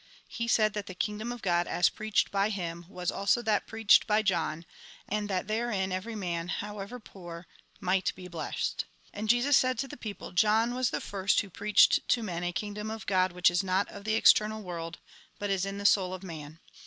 He said that the Kingdom of God as preached by him was also that preached by John ; and that therein every man, however poor, might be blessed. And Jesus said to the people :" John was the first who preached to men a Kingdom of God which is not of the external world, but is in the soul of man.